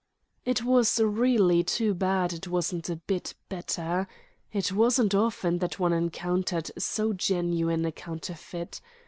It was really too bad it wasn't a bit better. It wasn't often that one encountered so genuine a counterfeit.